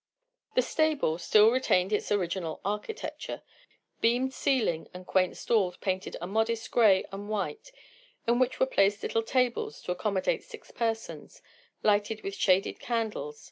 The "stable" still retained its original architecture, beamed ceiling and quaint stalls, painted a modest gray and white, in which were placed little tables to accommodate six persons, lighted with shaded candles.